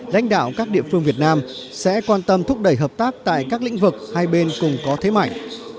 lãnh đạo các địa phương việt nam sẽ quan tâm thúc đẩy hợp tác tại các lĩnh vực hai bên cùng có thế mạnh